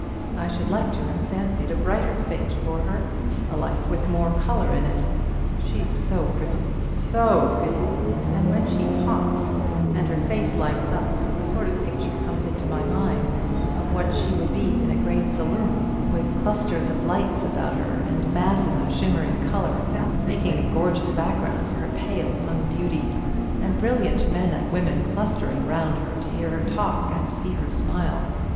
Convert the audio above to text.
I should like to have fancied a brighter fate for her, a life with more colour in it. She's so pretty so pretty; and when she talks, and her face lights up, a sort of picture comes into my mind of what she would be in a great saloon, with clusters of lights about her, and masses of shimmering colour, making a gorgeous background for her pale young beauty; and brilliant men and women clustering round her, to hear her talk and see her smile.